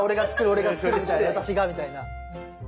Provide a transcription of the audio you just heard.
俺が作る！」みたいな「私が！」みたいな。